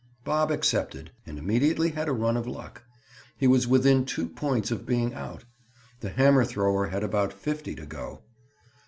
Bob accepted, and immediately had a run of luck. He was within two points of being out. The hammer thrower had about fifty to go.